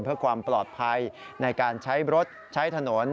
เพื่อความปลอดภัยในการใช้รถใช้ถนน